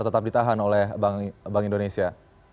tetap ditahan oleh bank indonesia